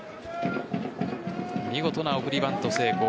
見事な送りバント成功。